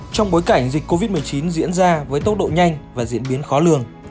trong bối cảnh dịch covid một mươi chín diễn ra với tốc độ nhanh và diễn biến khó lường